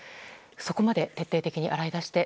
そこまで徹底的に洗い出して